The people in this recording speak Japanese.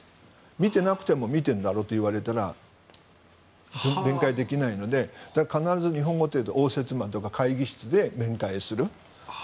見てなくても見てるだろと言われたら弁解できないので必ず、日本でいう応接間とか面会室で会議する。